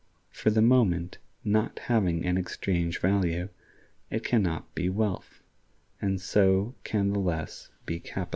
For the moment, not having an exchange value, it can not be wealth, and so can the less be capital.